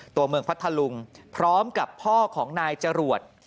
ตัวเมืองพัทธลุงพร้อมกับพ่อของนายจรวด